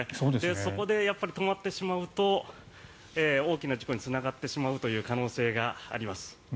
そこで止まってしまうと大きな事故につながってしまう可能性があります。